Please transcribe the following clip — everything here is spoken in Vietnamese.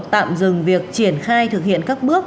tạm dừng việc triển khai thực hiện các bước